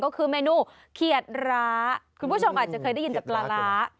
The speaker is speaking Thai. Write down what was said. ก็คือเมนูเขียดร้าคุณผู้ชมอาจจะเคยได้ยินแต่ปลาร้า